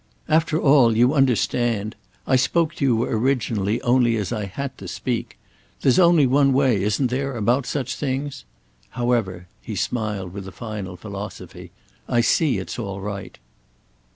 "After all, you understand. I spoke to you originally only as I had to speak. There's only one way—isn't there?—about such things. However," he smiled with a final philosophy, "I see it's all right."